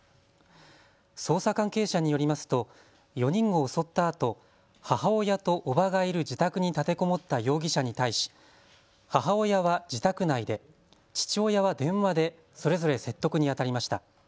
捜査関係者によりますと４人を襲ったあと母親とおばがいる自宅に立てこもった容疑者に対し母親は自宅内で父親は電話でそれぞれ説得にあたりました。